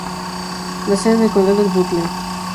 La sede del condado es Butler.